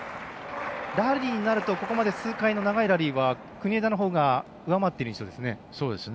ラリーになるとここまでの数回の長いラリーは国枝のほうが上回っている印象ですね。